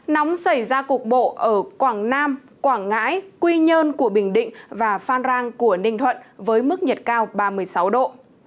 nóng xảy ra cục bộ ở quảng nam quảng ngãi quy nhơn của bình định và phan rang của ninh thuận với mức nhiệt cao ba mươi sáu độ